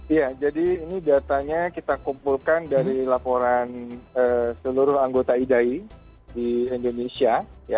iya jadi ini datanya kita kumpulkan dari laporan seluruh anggota idai di indonesia